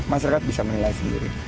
masyarakat bisa menilai sendiri